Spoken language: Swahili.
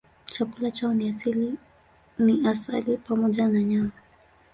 Chakula chao asili ni asali pamoja na nyama.